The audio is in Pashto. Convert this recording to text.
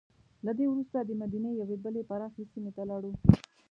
له دې وروسته دمدینې یوې بلې پراخې سیمې ته لاړو.